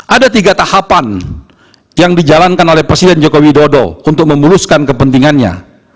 ada tiga tahapan yang dijalankan oleh presiden joko widodo untuk memuluskan kepentingannya